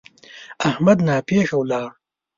احمد ناپېښه ولاړ.